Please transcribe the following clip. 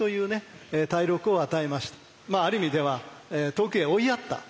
ある意味では遠くへ追いやった。